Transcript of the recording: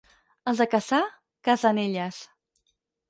Els de Cassà, cassanelles.